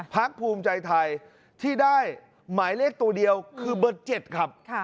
พักภูมิใจไทยที่ได้หมายเลขตัวเดียวคือเบอร์๗ครับ